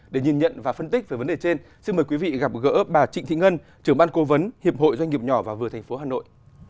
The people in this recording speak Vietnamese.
để nhìn nhận và phân tích về vấn đề trên xin mời quý vị gặp gỡ bà trịnh thị ngân trưởng ban cố vấn hiệp hội doanh nghiệp nhỏ và vừa tp hà nội